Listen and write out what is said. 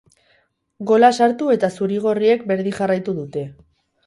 Gola sartu eta zuri-gorriek berdin jarraitu dute.